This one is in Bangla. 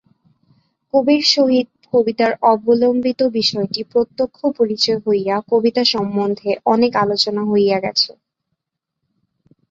কবির সহিত কবিতার অবলম্বিত বিষয়টির প্রত্যক্ষ পরিচয় হইয়া কবিতা সম্বন্ধে অনেক আলোচনা হইয়া গেছে।